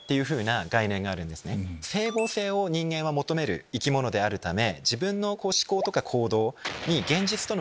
整合性を人間は求める生き物であるため。